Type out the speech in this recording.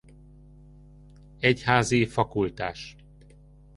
Egyházi fakultás.